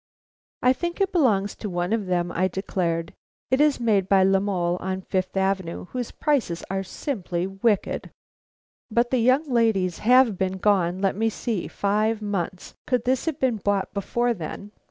"I think it belongs to one of them," I declared. "It was made by La Mole of Fifth Avenue, whose prices are simply wicked." "But the young ladies have been gone let me see five months. Could this have been bought before then?"